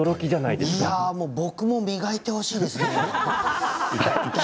いや、僕も磨いてほしいです。